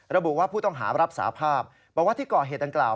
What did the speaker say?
ระบุว่าผู้ต้องหารับสาภาพบอกว่าที่ก่อเหตุดังกล่าว